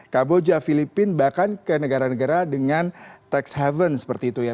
kamboja filipina bahkan ke negara negara dengan tax haven seperti itu ya